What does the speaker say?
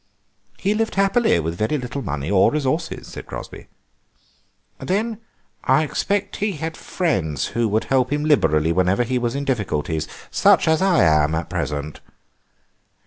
"He lived happily with very little money or resources," said Crosby. "Then I expect he had friends who would help him liberally whenever he was in difficulties, such as I am in at present."